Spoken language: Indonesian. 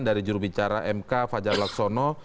dari jurubicara mk fajar laksono